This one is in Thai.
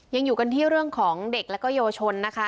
ยังอยู่กันที่เรื่องของเด็กและเยาวชนนะคะ